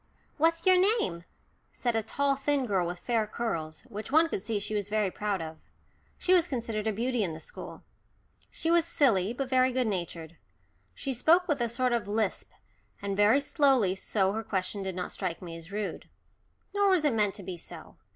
"What's your name?" said a tall thin girl with fair curls, which one could see she was very proud of. She was considered a beauty in the school. She was silly, but very good natured. She spoke with a sort of lisp, and very slowly, so her question did not strike me as rude. Nor was it meant to be so.